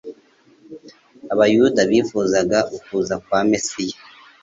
Abayuda bifuzaga ukuza kwa Mesiya,